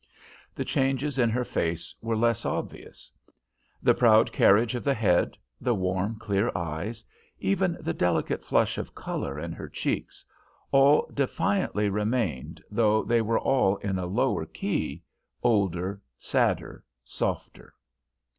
The changes in her face were less obvious; the proud carriage of the head, the warm, clear eyes, even the delicate flush of colour in her cheeks, all defiantly remained, though they were all in a lower key older, sadder, softer.